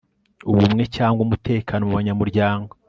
ubumwe cyangwa umutekano mu banyamuryango